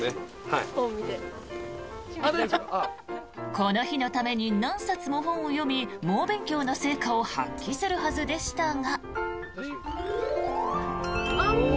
この日のために何冊も本を読み猛勉強の成果を発揮するはずでしたが。